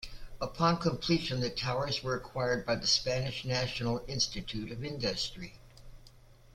Upon completion, the towers were acquired by the Spanish National Institute of Industry.